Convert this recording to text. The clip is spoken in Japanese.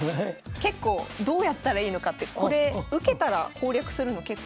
結構どうやったらいいのかってこれ受けたら攻略するの結構大変かもしれない。